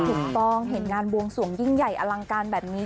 ถูกต้องเห็นงานบวงสวงยิ่งใหญ่อลังการแบบนี้